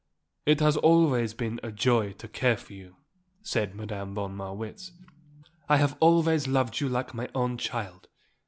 "It has always been my joy to care for you," said Madame von Marwitz. "I have always loved you like my own child.